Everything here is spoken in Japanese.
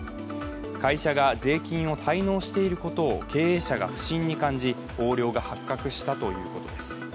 会社が税金を滞納していることを経営者が不審に感じ横領が発覚したということです。